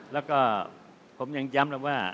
แล้วก็ผมยังย้ำแล้วว่า